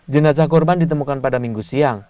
jenazah korban ditemukan pada minggu siang